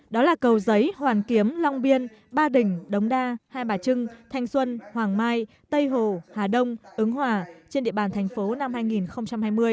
đó là cầu giấy hoàn kiếm long biên ba đỉnh đống đa hai bà trưng thanh xuân hoàng mai tây hồ hà đông ứng hòa trên địa bàn thành phố năm hai nghìn hai mươi